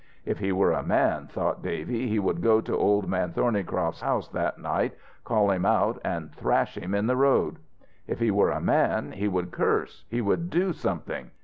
If he were a man, thought Davy, he would go to Old Man Thornycroft's house that night, call him out, and thrash him in the road. If he were a man, he would curse, he would do something.